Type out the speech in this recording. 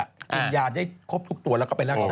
กินยาได้ครบทุกตัวแล้วก็ไปรักษา